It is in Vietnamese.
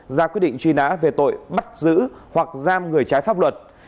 ra quyết định truy nã về tội bắt giữ hoặc giam người trái pháp luật